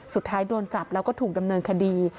สุดท้ายโดนจับแล้วก็ถูกดำเนินคดี